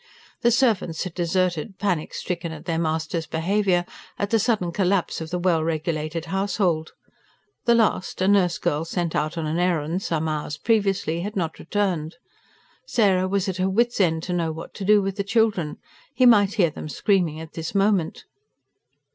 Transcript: The servants had deserted, panic stricken at their master's behaviour, at the sudden collapse of the well regulated household: the last, a nurse girl sent out on an errand some hours previously, had not returned. Sarah was at her wits' end to know what to do with the children he might hear them screaming at this moment.